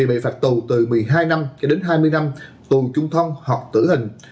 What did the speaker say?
bị phạt tù từ một mươi hai năm đến hai mươi năm tù trung thông hoặc tử hình